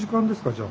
じゃあ。